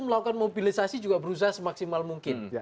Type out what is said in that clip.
melakukan mobilisasi juga berusaha semaksimal mungkin